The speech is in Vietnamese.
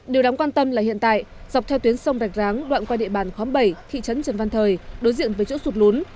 điều đáng quan tâm là hiện tại dọc theo tuyến sông rạch ráng đoạn qua địa bàn khóm bảy thị trấn trần văn thời đối diện với chỗ sụt lún